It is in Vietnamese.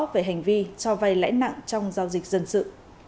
về hành vi cho vay lãi nặng trong giao dịch dân sự